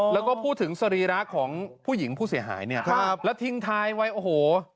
แล้วก็พูดถึงสรีระของผู้หญิงผู้เสียหายเนี่ยครับแล้วทิ้งท้ายไว้โอ้โห